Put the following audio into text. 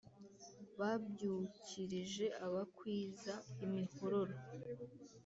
babyukirije abakwiza imihororo